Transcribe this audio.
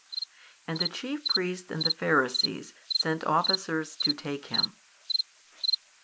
And the chief priests and the Pharisees sent officers to take Him.